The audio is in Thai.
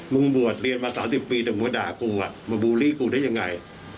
มึงบวชเรียนมาสามสิบปีแต่มัวด่ากูอ่ะมาบูรีกูได้ยังไง